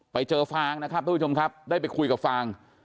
ฟางนะครับทุกผู้ชมครับได้ไปคุยกับฟาง